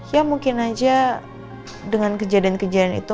ya mungkin aja dengan kejadian kejadian itu